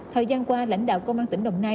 thời gian qua lãnh đạo công an tỉnh đồng nai